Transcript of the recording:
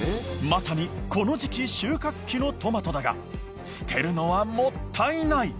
まさにこの時期収穫期のトマトだが捨てるのはもったいない！